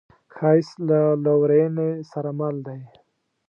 ښایست له لورینې سره مل دی